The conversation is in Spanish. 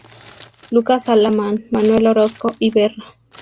Lucas Alamán, Manuel Orozco y Berra